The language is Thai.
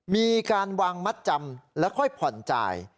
มีการวางมัดจำแล้วค่อยผ่อนจ่าย